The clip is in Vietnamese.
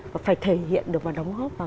và phải thể hiện được và đóng góp vào